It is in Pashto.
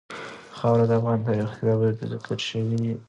خاوره د افغان تاریخ په کتابونو کې ذکر شوي دي.